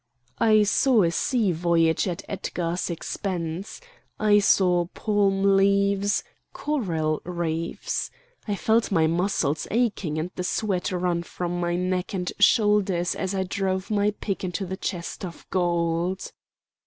I saw a sea voyage at Edgar's expense. I saw palm leaves, coral reefs. I felt my muscles aching and the sweat run from my neck and shoulders as I drove my pick into the chest of gold.